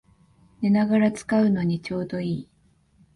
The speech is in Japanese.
寝ながら使うのにちょうどいい